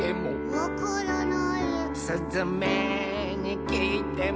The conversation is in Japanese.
「わからない」「すずめにきいても」